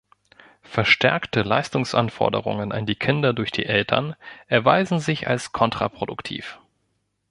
Verstärkte Leistungsanforderungen an die Kinder durch die Eltern erweisen sich als kontraproduktiv.